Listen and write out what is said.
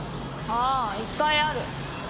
ああ１回ある。